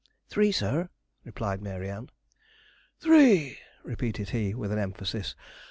'Three, sir,' replied Mary Ann. 'Three!' repeated he, with an emphasis.